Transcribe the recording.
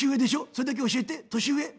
それだけ教えて年上？」。